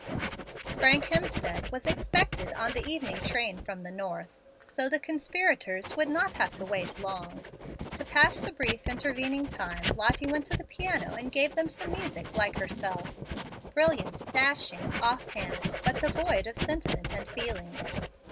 Frank Hemstead was expected on the evening train from the north, so the conspirators would not have long to wait. To pass the brief intervening time Lottie went to the piano and gave them some music like herself, brilliant, dashing, off hand, but devoid of sentiment and feeling.